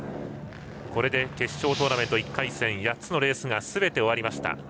これで決勝トーナメント１回戦の８つのレースすべて終わりました。